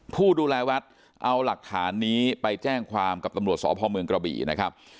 ผู้ดูแลวัดเอาหลักฐานนี้ไปแจ้งความกับตำรวจสพเมืองกระบี่นะครับ